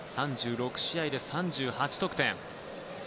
３６試合で３８得点。